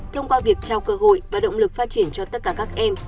thông qua việc trao cơ hội và động lực phát triển cho tất cả các em